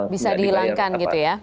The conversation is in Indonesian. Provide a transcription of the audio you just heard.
bisa dihilangkan gitu ya